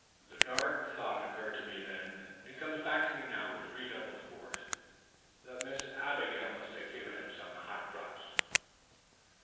The dark thought occurred to me then, and comes back to me now with redoubled force, that Miss Abigail must have given him some hot drops.